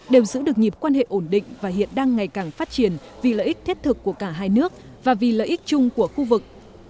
đều giữ được nhịp quan hệ ổn định và hiện đang ngày càng phát triển vì lợi ích thiết thực của cả hai nước và vì lợi ích chung của khu vực